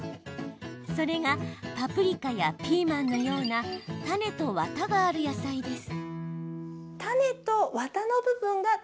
それが、パプリカやピーマンのような種と、わたがある野菜です。